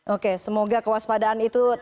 oke semoga kewaspadaan itu